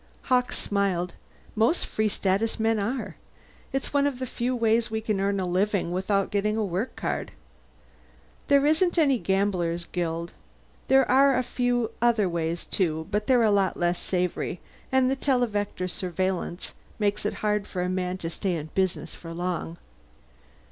Hawkes smiled. "Most Free Status men are. It's one of the few ways we can earn a living without getting a work card. There isn't any gamblers' guild. There are a few other ways, too, but they're a lot less savory, and the televector surveillance makes it hard for a man to stay in business for long."